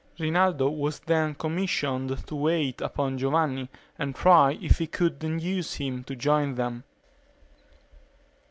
Rinaldo was then commissioned to wait upon Giovanni and try if he could induce him to join them.